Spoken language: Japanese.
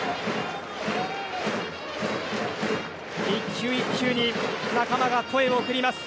１球１球に仲間が声を送ります。